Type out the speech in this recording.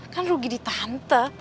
kan rugi di tante